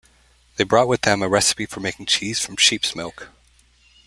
They brought with them a recipe for making cheese from sheep's milk.